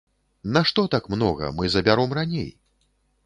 Нашто так многа, мы забяром раней.